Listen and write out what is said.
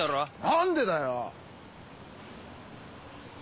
何でだよ！